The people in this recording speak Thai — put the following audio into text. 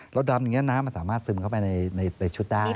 ดำอย่างนี้น้ำมันสามารถซึมเข้าไปในชุดได้